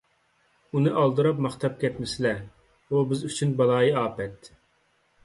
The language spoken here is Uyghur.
ئۇنى ئالدىراپ ماختاپ كەتمىسىلە، ئۇ بىز ئۈچۈن بالايىئاپەت.